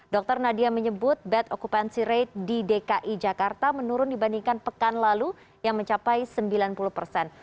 dr nadia menyebut bad occupancy rate di dki jakarta menurun dibandingkan pekan lalu yang mencapai sembilan puluh persen